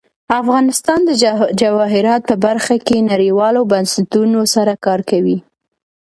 افغانستان د جواهرات په برخه کې نړیوالو بنسټونو سره کار کوي.